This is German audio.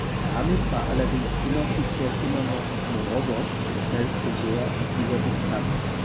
Damit war allerdings inoffiziell immer noch Morosow der schnellste Geher auf dieser Distanz.